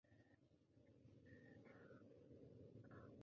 La sede de condado es Savannah.